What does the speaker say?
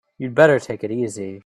You'd better take it easy.